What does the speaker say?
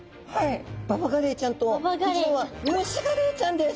ババガレイちゃんとこちらはムシガレイちゃんです。